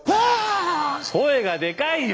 声がでかいよ！